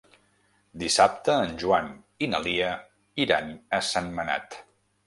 Dissabte en Joan i na Lia iran a Sentmenat.